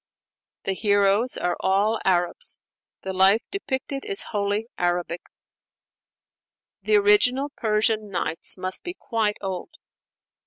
The heroes are all Arabs; the life depicted is wholly Arabic. The original Persian 'Nights' must be quite old.